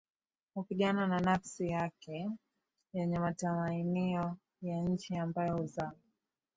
hupigana na nafsi yake yenye matamanio ya chini ambayo huzaa